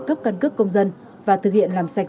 cấp căn cước công dân và thực hiện làm sạch